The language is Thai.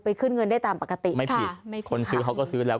ขึ้นเงินได้ตามปกติไม่ผิดไม่คนซื้อเขาก็ซื้อแล้ว